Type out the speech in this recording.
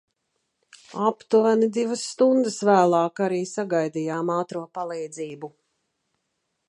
Aptuveni divas stundas vēlāk arī sagaidījām ātro palīdzību.